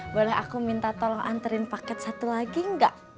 boleh aku minta tolong anterin paket satu lagi enggak